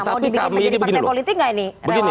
mau dibikin menjadi partai politik gak ini